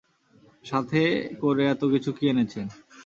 সাথে করে এতকিছু কী এনেছেন?